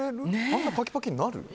あんなバキバキになる？